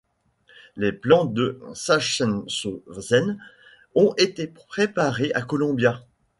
Les plans de Sachsenhausen ont été préparés à Columbia.